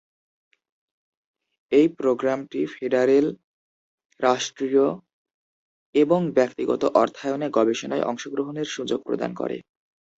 এই প্রোগ্রামটি ফেডারেল, রাষ্ট্রীয় এবং ব্যক্তিগত অর্থায়নে গবেষণায় অংশগ্রহণের সুযোগ প্রদান করে।